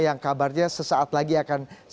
yang kabarnya sesaat lagi akan